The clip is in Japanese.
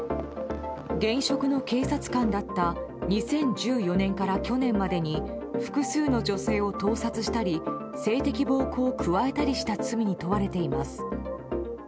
現職の警察官だった２０１４年から今日までに複数の女性を盗撮したり性的暴行を加えたりした罪に問われています。